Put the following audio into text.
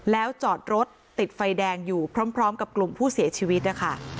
แล้วจอดรถติดไฟแดงอยู่พร้อมกับกลุ่มผู้เสียชีวิตนะคะ